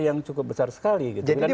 yang cukup besar sekali